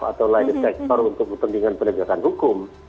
atau light detector untuk kepentingan penegakan hukum